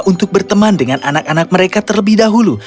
untuk berteman dengan anak anak mereka terlebih dahulu